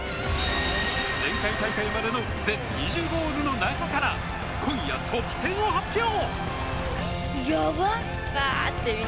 前回大会までの全２０ゴールの中から今夜、トップ１０を発表！